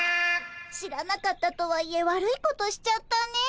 知らなかったとはいえ悪いことしちゃったね。